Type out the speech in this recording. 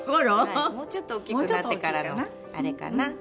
もうちょっとおっきくなってからのあれかな。